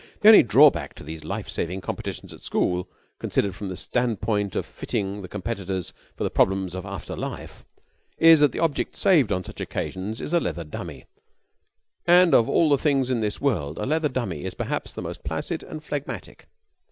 The only drawback to these life saving competitions at school, considered from the standpoint of fitting the competitors for the problems of after life, is that the object saved on such occasions is a leather dummy, and of all things in this world a leather dummy is perhaps the most placid and phlegmatic.